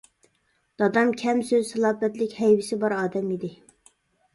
دادام كەم سۆز، سالاپەتلىك، ھەيۋىسى بار ئادەم ئىدى.